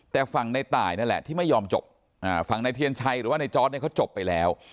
แต่ฝั่งในตายนั่นแหละที่ไม่ยอมจบฝั่งในเทียนชัยหรือว่าในจอร์ดเนี่ยเขาจบไปแล้ว